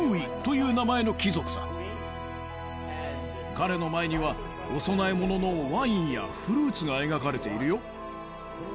彼の前にはお供え物のワインやフルーツが描かれているよ。